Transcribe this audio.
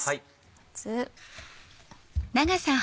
まず。